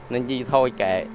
nên thì thôi kệ